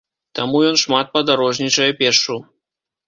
Таму ён шмат падарожнічае пешшу.